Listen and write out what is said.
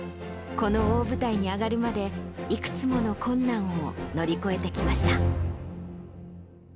この大舞台に上がるまでいくつもの困難を乗り越えてきました。